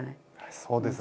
そうですね。